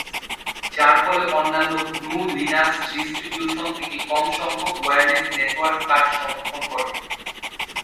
যার ফলে অন্যান্য গ্নু/লিনাক্স ডিস্ট্রিবিউশন থেকে কম সংখ্যক ওয়্যারলেস নেটওয়ার্ক কার্ড সমর্থন করে।